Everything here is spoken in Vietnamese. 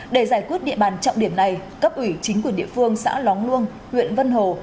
để giải quyết địa bàn trọng điểm này cấp ủy chính quyền địa phương xã lóng luông huyện vân hồ